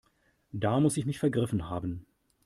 Da muss ich mich vergriffen haben.